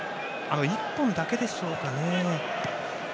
１本だけでしょうかね。